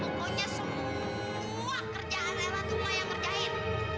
pokoknya semua kerjaan adalah cuma yang ngerjain